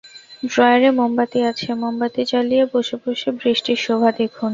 ড্রয়ারে মোমবাতি আছে, মোমবাতি জ্বালিয়ে বসে-বসে বৃষ্টির শোভা দেখুন।